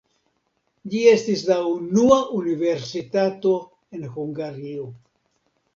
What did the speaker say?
Ĝi estis la unua universitato en Hungario.